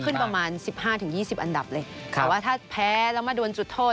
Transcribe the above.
คือถ้าชนะเนี่ยขึ้นประมาณ๑๕๒๐อันดับเลยแต่ว่าถ้าแพ้แล้วมาโดนจุดโทษ